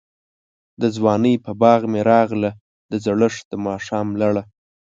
دځوانۍ په باغ می راغله، دزړښت دماښام لړه